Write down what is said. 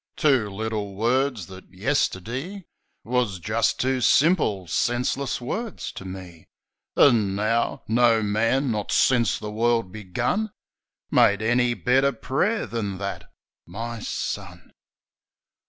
Two little words, that, yesterdee, Wus jist two simple, senseless words to me; An' now — no man, not since the world begun, Made any better pray'r than that. ... My son!